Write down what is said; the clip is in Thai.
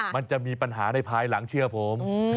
มันจะมีปัญหาในภายหลังเชื่อผม